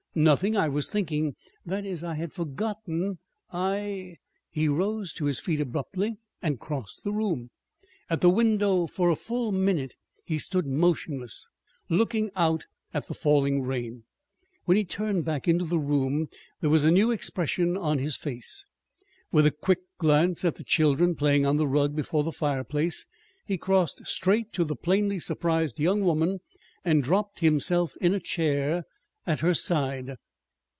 "Nothing. I was thinking that is, I had forgotten I " He rose to his feet abruptly, and crossed the room. At the window, for a full minute, he stood motionless, looking out at the falling rain. When he turned back into the room there was a new expression on his face. With a quick glance at the children playing on the rug before the fireplace, he crossed straight to the plainly surprised young woman and dropped himself in a chair at her side.